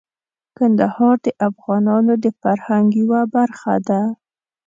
کندهار د افغانانو د فرهنګ یوه برخه ده.